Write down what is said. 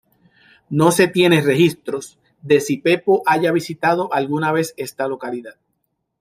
No se tienen registros de si Pepo haya visitado alguna vez esta localidad.